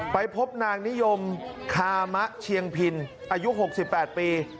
ไปพบนางนิยมคามะเชียงพินอายุ๖๘ปี